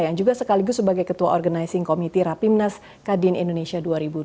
yang juga sekaligus sebagai ketua organizing committee rapimnas kadin indonesia dua ribu dua puluh